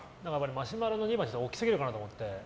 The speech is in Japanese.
マシュマロの２番は大きすぎるかなと思って。